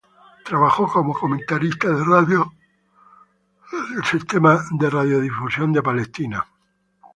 Trabajó como comentarista de radio en el sistema de radiodifusión de Israel.